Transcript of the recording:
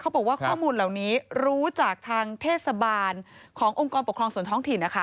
บอกว่าข้อมูลเหล่านี้รู้จากทางเทศบาลขององค์กรปกครองส่วนท้องถิ่นนะคะ